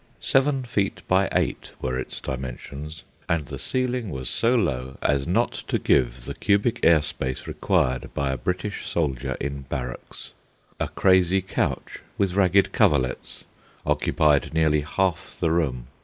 Seven feet by eight were its dimensions, and the ceiling was so low as not to give the cubic air space required by a British soldier in barracks. A crazy couch, with ragged coverlets, occupied nearly half the room.